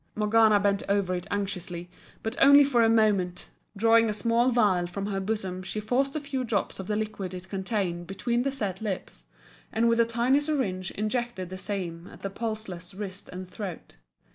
Morgana bent over it anxiously, but only for a moment, drawing a small phial from her bosom she forced a few drops of the liquid it contained between the set lips, and with a tiny syringe injected the same at the pulseless wrist and throat.